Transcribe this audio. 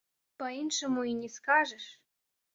Па-іншаму і не скажаш!